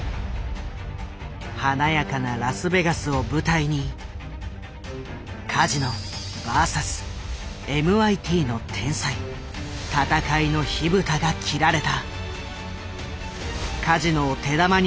華やかなラスベガスを舞台にカジノＶＳＭＩＴの天才戦いの火蓋が切られた。